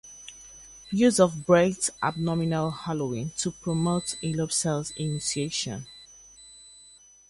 Use of breath abdominal 'hollowing' to promote iliopsoas initiation.